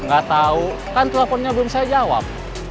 nggak tahu kan teleponnya belum saya jawab